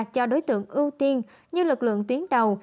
cho đối tượng ưu tiên như lực lượng tuyến đầu